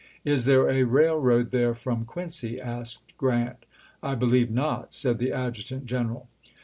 " Is there a railroad there from Quincy ?" asked Grant. " I believe not," said the adjutant general.